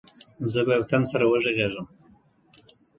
زه به يو تن سره وغږېږم.